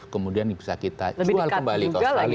kemudian bisa kita jual kembali ke australia